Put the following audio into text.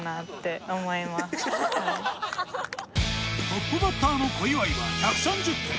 トップバッターの小祝は１３０点。